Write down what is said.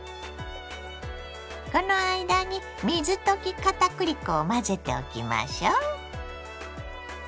この間に水溶き片栗粉を混ぜておきましょ。